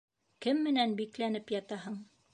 Кем менән бикләнеп ятаһың?